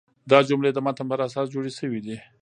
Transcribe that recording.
دا جملې د متن پر اساس جوړي سوي دي.